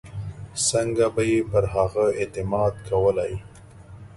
څنګه به یې پر هغه اعتماد کولای.